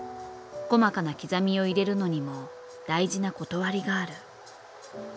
細かな刻みを入れるのにも大事な理がある。